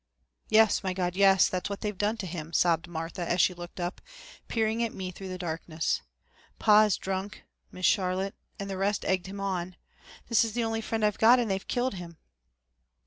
"Yes, my God, yes, that's what they've done to him," sobbed Martha as she looked up, peering at me through the darkness. "Pa is drunk, Miss Charlotte; and the rest egged him on. This is the only friend I've got and they've killed him."